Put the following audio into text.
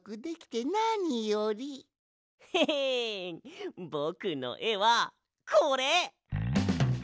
ヘヘンぼくのえはこれ！